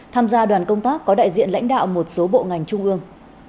tham gia đoàn công tác có đại diện lãnh đạo một số bộ ngành trung ương